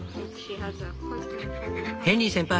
「ヘンリー先輩。